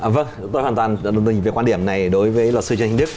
vâng tôi hoàn toàn đồng tình với quan điểm này đối với luật sư trinh đức